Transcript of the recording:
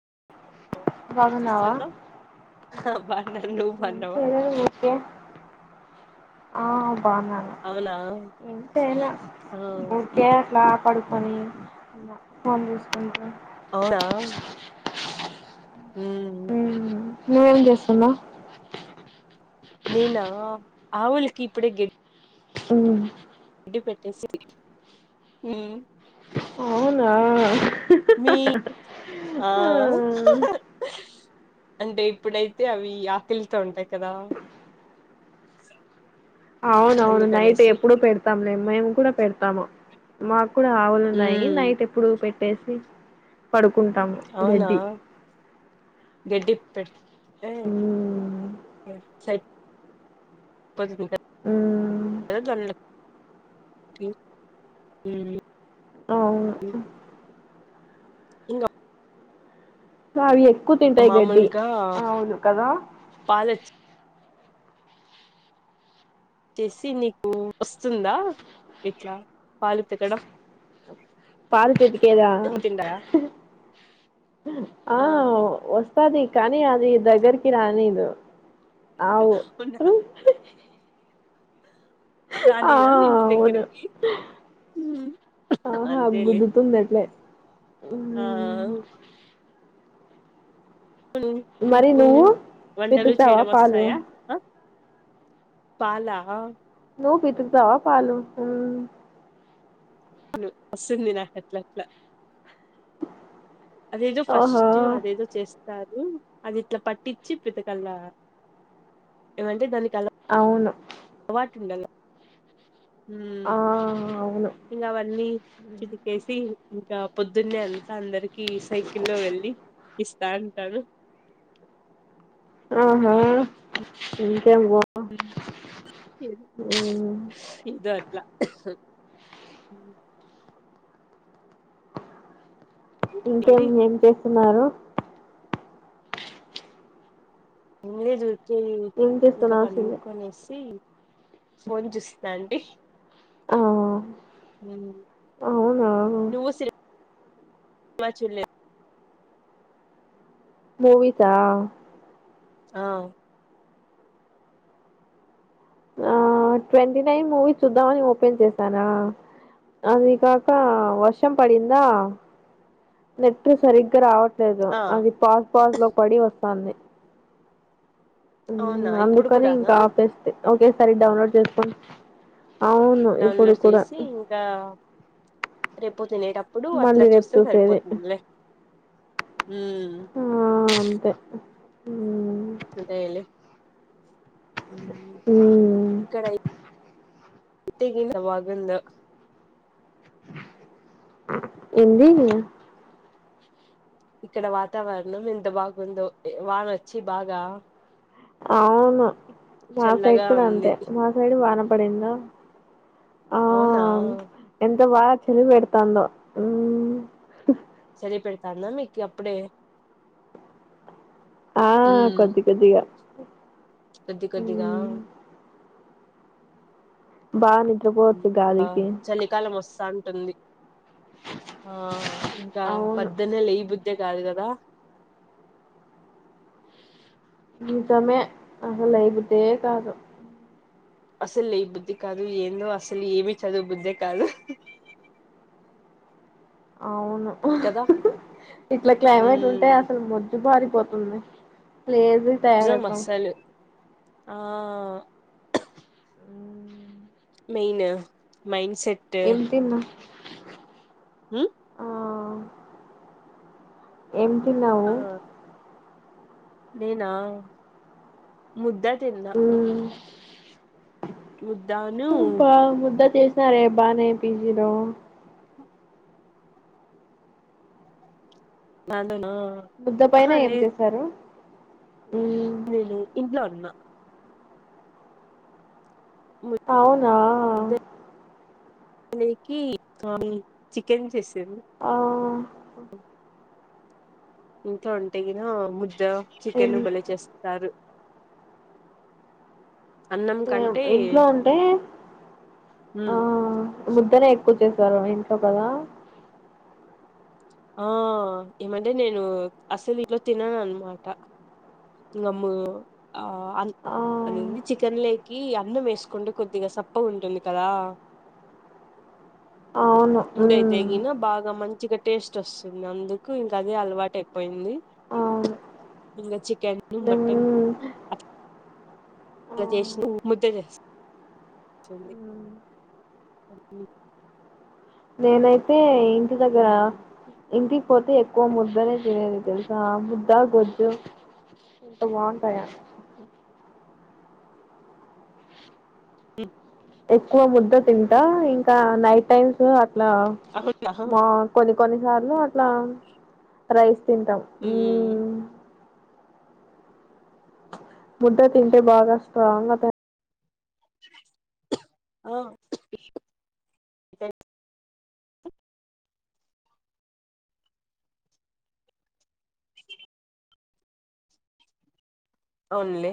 [inaudible] ఏం బాగున్నావా చేస్తాడవు హ బాన్నాన్ నువ్వు ఏం బాన్నవా చేయలేదు ఊరికే ఆ బాగున్నాను ఎం చేయాలా ఆ ఊర్కే అట్లా పడుకొని ఫోన్ చూసుకుంట అవునా ఉమ్ ఉమ్ నువ్వేం చేస్తున్నావ్ నేనా ఆవులికి ఇప్పుడే గ మ్మ్ డ్డి పెట్టేసి ఉమ్మ్ అవునా మీ ఆ అంటే ఇప్పుడైతే అవి ఆకలితో ఉంటాయి కదా అవునవును నైట్ అందుకనేసి ఎప్పుడు పెడతాము లే మేము కూడా పెడతాము మాక్ కూడా ఆవులున్నాయి ఉమ్ నైట్ ఎప్పుడు పెట్టేసి పడుకుంటాము గడ్డి గెడ్డి పె తె ఉమ్ సే ద ఉమ్ [unintelligible] ఉమ్ అవును ఇంగ వావి ఎక్కువ తింటాయి గడ్డి మామూలుగా అవును కదా పాలు తెస్సి నీకు వస్తుందా ఇట్లా పాలితకడం. పాలు పితికేదా ఆ వస్ స్తది కానీ అది దగ్గరికి రానీదు ఆవు ఉన్నా ఆ రానీదా నింటి అవును దగ్గరికి ఉమ్మ్ ఆహా గుద్దుతుందెట్లే ఆ ఉమ్ మరి మీకు నువ్వు వంటలు పితుకుతావా చేయడం పాలు వస్తాయా ఆ పాల నువ్ పితుకుతవా పాలు ఉమ్ వస్తుంది నాక్ అట్లట్లా అదేదో ఓహో ఫస్ట్ అదేదో చేస్ తాజు అది ఇట్ల పట్టిచ్చి పితకల్లా ఏమంటే దానికి అవును అవాట్ ఉండ ఉం ఆ అవును ఇంగవన్నీ చితికేసి ఇంకా పొద్దున్నే అంతా అందరికి సైకిల్లో వెళ్ళి ఇస్తా అంటాను ఆహా ఇంకేం బా మ్ ఇద్ ఇదొ అట్ల ఉమ్ ఇంకేం మరి ఏం చేస్తున్నారు ఇల్లే జూకి ఏం ఇంకా చేస్తున్నావు పండ్కొనేసి ఫోన్ చూస్తా అండి ఆ అవునా నువ్వు సే చూల్లె [unintelligible] మూవి కా ఆ ఆ ట్వంటీ నైన్ మూవీ చూద్దామని ఓపెన్ చేసానా అది కాక వర్షం పడిందా నెట్ సరిగ్గా రావట్ లేదు ఆ అది పాస్ పాస్ లో పడి వస్తాంది. మ్మ్ అవునా ఇప్పుడు అందుకని ఇంకా కూడానా ఆపేస్తి ఒకేసారి డౌన్లోడ్ చేసుకోని డౌన్లోడ్ చేసి ఇంకా రేపు పో తినేటప్పుడు మళ్ళీ అట్లా రేపు చూస్తే చూసేది సరిపోతుందిలే ఉమ్ ఆ అంతే మ్మ్ లేలే మ్మ్ ఉమ్. ఇక్కడ యై ఇత్తెగినా బాగున్నా ఏంది ఇక్కడ వాతావరణం ఎంత బాగుందో వానొచ్చి బాగా అవును మా సైడ్ చల్లగా కూడా ఉంది అంతే మా సైడ్ వాన పడిందా అవునా వా చలి పెడతాండ చలి పెడతాంద మీకు అప్పుడే ఆ మ్మ్ కొద్ది కొద్దిగా కొద్ది కొద్దిగా ఉమ్, బాగా నిద్రపోవచ్చు గాలికి చలికాలం వస్తాంటుంది ఆ ఇంకా అవును పద్దున్నే లేయబుద్ద్ కాదు కదా నిజమే అహ లేయబుద్దే కాదు. అసలు లేయా బుద్ధి కాదు ఏందో అసలు ఏమి చదువు బుద్ధి కాదు. అవును కదా ఇట్లా క్లైమేట్ ఉంటే ఉమ్ అసలు మె మొద్దు బారిపోతుంది లేజిగా నిజం తయారవుతాం అస్సలు ఆ మెయినా మైన్. వెలుతున్నా ఉమ్ వెలుతున్నావా నినా ముద్ద తిన్నా మ్మ్ ముద్దాను ముద్దు ముద్ద చేసినారే బానే పీజీలో. హాలిడే నా ముద్ద పైన ఏం చేశారు ఉమ్, నేను ఇంట్లో ఉన్నా అవునా కి చికెన్ చేసా తెల్ద్ ఆ ఇంట్లో ఉంటే గినా ముద్ద ఇన్ చికెన్ బలే చేస్తారు అన్నం కంటే ఇంట్లో అంటే ఆ ఉమ్ ముద్దనే చేసారు ఇంట్లో కదా ఆ ఏమంటే నేను అసలు ఇంట్లో తినను అన్నమాట ఇంగ అమ్మా ఆ ఆ చికెన్ లే కి అన్నం యేసుకుంటే కొద్దిగా సప్పగ ఉంటుంది కదా అవును ముడైతే మ్మ్ గిన బాగా మం చిగ టేస్ట్ వస్తుంది. అందుకు ఇంకా అదే అలవాటు అయిపోయింది. అవును ఇంగా చికెన్ మటన్ మ్మ్ అలా చేసిన ముద్ద జేస్తా [unintelligible] నేనైతే ఇంటి దగ్గర ఉమ్. ఇంటి పోతే ఎక్కువ ముద్దనే తినేది దెలుసా ఆ ముద్ద గొంతు ఎంత బాగుంటాయా ఉమ్ ఎక్కువ ముద్ద తింటా ఇంకా నైట్ టైమ్స్ అట్లా అవునా మా కొని కొన్నిసార్లు అట్లా రైస్ తింటాం ఉమ్ ముద్ద తింటే బాగా స్ట్రాంగ్ గా ఆ అవున్లే